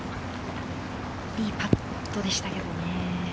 いいパットでしたけどね。